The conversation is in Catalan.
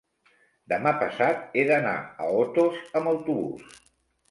Demà passat he d'anar a Otos amb autobús.